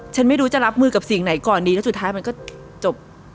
ไม่รู้จะรับมือกับสิ่งไหนก่อนดีแล้วสุดท้ายมันก็จบ